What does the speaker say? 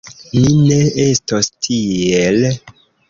Ni ne estos tiel!